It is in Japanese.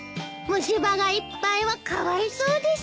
虫歯がいっぱいはかわいそうです。